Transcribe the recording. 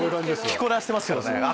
着こなしてますけどね。